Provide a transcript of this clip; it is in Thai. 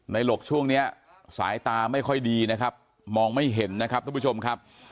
หลกช่วงนี้สายตาไม่ค่อยดีนะครับมองไม่เห็นนะครับทุกผู้ชมครับ